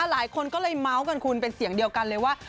หลายคนก็เลยเมาส์กันคุณเป็นเสียงเดียวกันเลยว่า